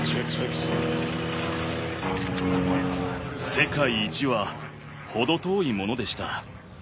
世界一は程遠いものでした。